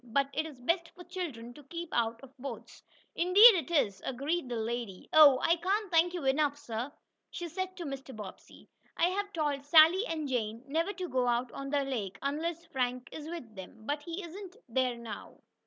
But it is best for children to keep out of boats." "Indeed it is," agreed the lady. "Oh, I can't thank you enough, sir!" she said to Mr. Bobbsey. "I have told Sallie and Jane never to go out on the lake unless Frank is with them, but he isn't here now."